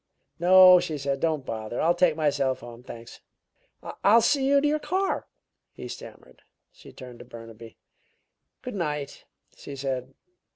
"No," she said. "Don't bother. I'll take myself home, thanks." "I'll see you to your car," he stammered. She turned to Burnaby. "Good night!" she said.